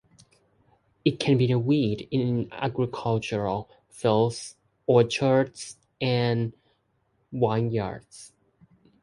It can be a weed in agricultural fields, orchards, and vineyards.